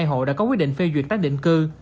bảy mươi hai hộ đã có quyết định phê duyệt tác định cư